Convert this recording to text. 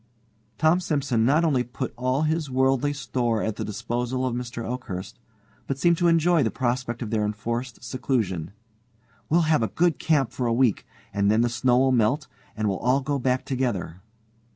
Tom Simson not only put all his worldly store at the disposal of Mr. Oakhurst, but seemed to enjoy the prospect of their enforced seclusion. "We'll have a good camp for a week, and then the snow'll melt, and we'll all go back together."